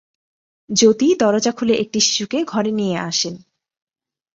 জ্যোতি দরজা খুলে একটি শিশুকে ঘরে নিয়ে আসেন।